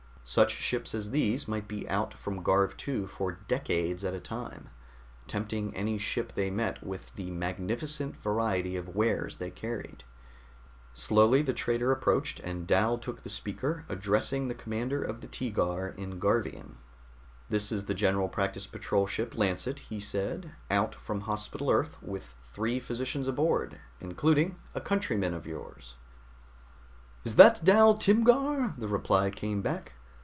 Such ships as these might be out from Garv II for decades at a time, tempting any ship they met with the magnificent variety of wares they carried. Slowly the trader approached, and Dal took the speaker, addressing the commander of the Teegar in Garvian. "This is the General Practice Patrol Ship Lancet," he said, "out from Hospital Earth with three physicians aboard, including a countryman of yours." "Is that Dal Timgar?" the reply came back.